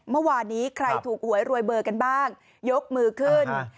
เมื่อวานนี้ใครถูกหวยรวยเบอร์กันบ้างยกมือขึ้น